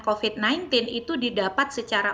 covid sembilan belas itu didapat secara